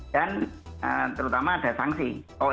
dan terutama ada sanksi